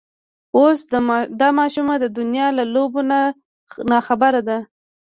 اوس دا ماشومه د دنيا له لوبو نه ناخبره ده.